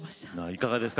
いかがですか？